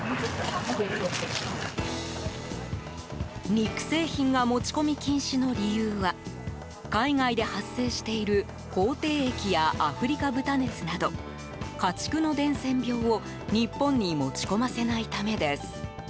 肉製品が持ち込み禁止の理由は海外で発生している口蹄疫やアフリカ豚熱など家畜の伝染病を日本に持ち込ませないためです。